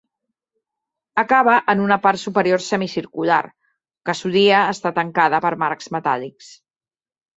Acaba en una part superior semicircular, que solia estar tancada per marcs metàl·lics.